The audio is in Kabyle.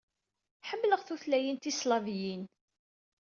Ḥemmleɣ tutlayin tislaviyin.